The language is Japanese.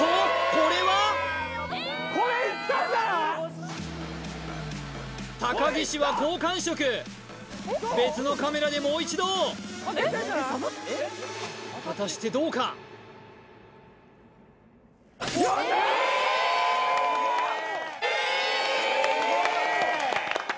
これ高岸は好感触別のカメラでもう一度果たしてどうかすげえ！